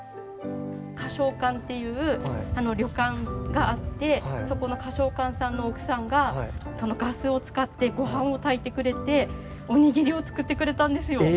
花勝館という旅館があって、そこの花勝館さんの奥さんが、そのガスを使ってごはんを炊いてくれて、お握りを作ってくれたんですよ。